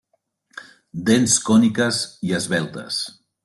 Dents còniques i esveltes.